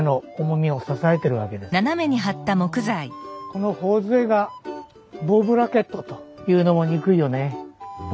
この頬杖がボウブラケットというのも憎いよねえ。